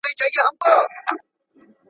ډیپلوماټیک سفرونه باید تشریفاتي نه وي.